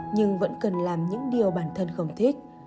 nhưng vẫn cần làm những điều bản thân không thích